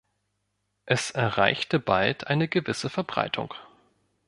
Es erreichte bald eine gewisse Verbreitung.